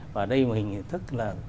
và đây một hình thức là